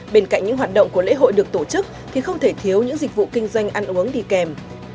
bên cạnh những hoạt động của lễ hội được tổ chức thì không thể thiếu những dịch vụ kinh doanh ăn uống đi kèm